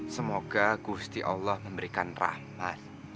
semoga gusti allah memberikan rahmat